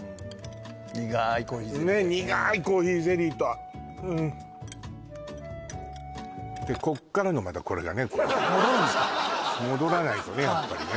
苦いコーヒーゼリーでねえ苦いコーヒーゼリーとこっからのまたこれがね戻るんですかやっぱりね